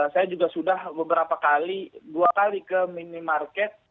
saya juga sudah beberapa kali dua kali ke minimarket